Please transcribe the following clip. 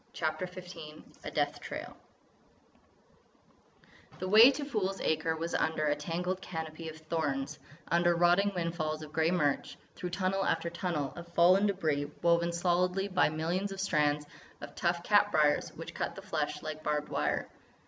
CHAPTER XIV A DEATH TRAIL The way to Fool's Acre was under a tangled canopy of thorns, under rotting windfalls of grey mirch, through tunnel after tunnel of fallen débris woven solidly by millions of strands of tough cat briers which cut the flesh like barbed wire.